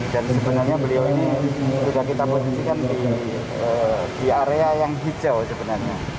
dan sebenarnya beliau ini sudah kita posisikan di area yang hijau sebenarnya